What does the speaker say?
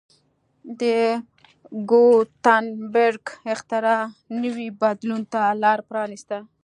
د ګوتنبرګ اختراع نوي بدلون ته لار پرانېسته.